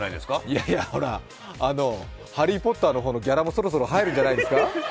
いやいや、「ハリー・ポッター」のギャラもそろそろ入るんじゃないですか？